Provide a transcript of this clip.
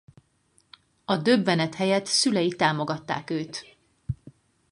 A döbbenet helyett szülei támogatták őt.